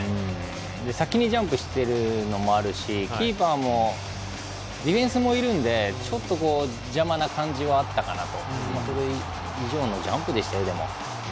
先にジャンプしているのもあるしキーパーもディフェンスもいるのでちょっと邪魔な感じはあったかなと。